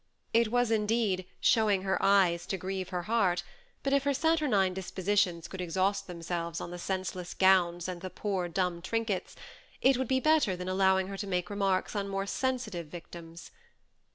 It was indeed "showing her eyes to grieve her heart"; but if her saturnine dispositions could exhaust themselves on the senseless gowns and the poor dumb trinkets, it would be better than allowing her to make remarks on more sensitive victims.